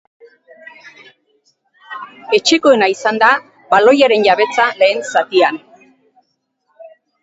Etxekoena izan da baloiaren-jabetza lehen zatian.